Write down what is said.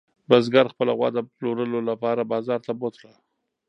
بزګر خپله غوا د پلورلو لپاره بازار ته بوتله.